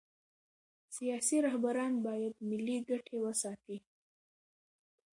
سیاسي رهبران باید ملي ګټې وساتي